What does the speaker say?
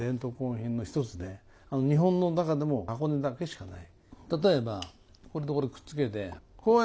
日本の中でも箱根だけしかない。